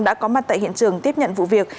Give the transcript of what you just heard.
đã có mặt tại hiện trường tiếp nhận vụ việc